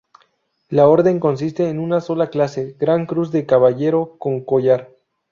La Orden consiste en una sola clase: Gran Cruz de Caballero con Collar.